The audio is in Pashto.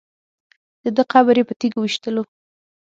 دده قبر یې په تیږو ویشتلو.